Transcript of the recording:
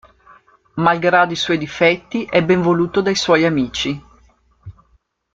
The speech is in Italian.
Malgrado i suoi difetti è ben voluto dai suoi amici.